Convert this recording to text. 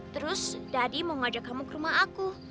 terus dadi mau ngajak kamu ke rumah aku